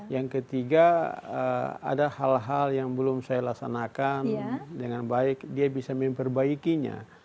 yang ketiga ada hal hal yang belum saya laksanakan dengan baik dia bisa memperbaikinya